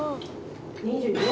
２４。